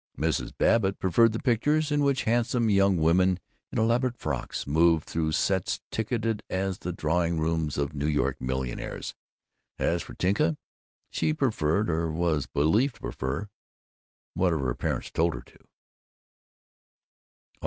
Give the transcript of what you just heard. Mrs. Babbitt preferred the pictures in which handsome young women in elaborate frocks moved through sets ticketed as the drawing rooms of New York millionaires. As for Tinka, she preferred, or was believed to prefer, whatever her parents told her to.